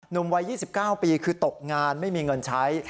วัย๒๙ปีคือตกงานไม่มีเงินใช้